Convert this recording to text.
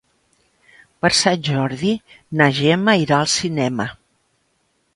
Per Sant Jordi na Gemma irà al cinema.